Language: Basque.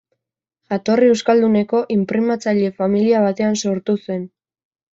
Jatorri euskalduneko inprimatzaile familia batean sortu zen.